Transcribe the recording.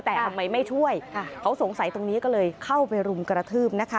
แต่ทำไมไม่ช่วยเขาสงสัยตรงนี้ก็เลยเข้าไปรุมกระทืบนะคะ